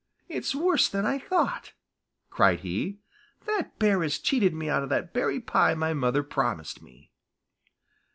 "It's worse than I thought," cried he. "That bear has cheated me out of that berry pie my mother promised me."